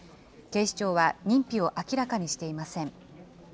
警視庁は、認否を明らかにしていません。